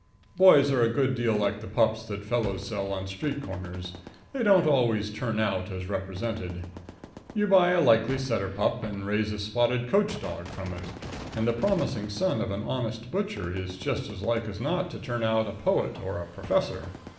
Boys are a good deal like the pups that fellows sell on street corners they don't always turn out as represented. You buy a likely setter pup and raise a spotted coach dog from it, and the promising son of an honest butcher is just as like as not to turn out a poet or a professor.